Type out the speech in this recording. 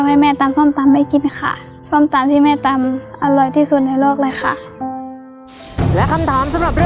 ยังไม่หมดเท่านั้นนะครับเรามีของขวัญสูงพิเศษให้กับทุกครอบครัวที่มาร่วมรายการของเราจากการตอบถูกในแต่ละข้อ